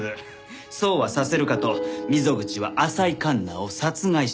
そうはさせるかと溝口は浅井環那を殺害した。